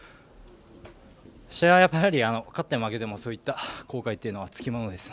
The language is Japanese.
試合は、勝っても負けてもそういった後悔というのはつきものです。